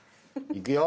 いくよ。